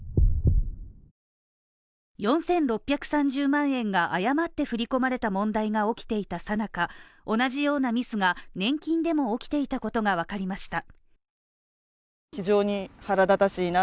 ４６３０万円が誤って振り込まれた問題が起きていたさなか同じようなミスが年金でも起きていたことが分かりました。